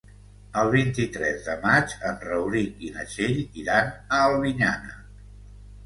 El vint-i-tres de maig en Rauric i na Txell iran a Albinyana.